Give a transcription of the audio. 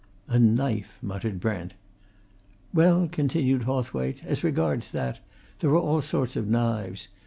"A knife!" muttered Brent. "Well," continued Hawthwaite, "as regards that, there are all sorts of knives.